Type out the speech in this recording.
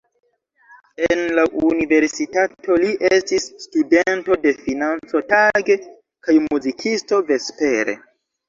En la universitato li estis studento de financo tage kaj muzikisto vespere.